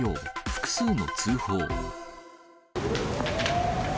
複数の通報。